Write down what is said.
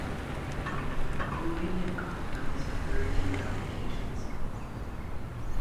Rubidium compounds have very few applications.